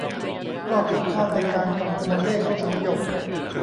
ข้อผิดพลาดในการคำนวณเลขทศนิยม